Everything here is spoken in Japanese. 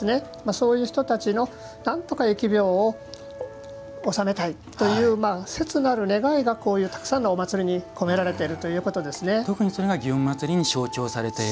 そういう人たちのなんとか、疫病を収めたいという切なる願いがこういうたくさんのお祭りに込められているということですね。